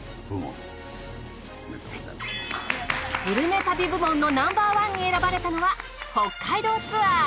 グルメ旅部門のナンバー１に選ばれたのは北海道ツアー。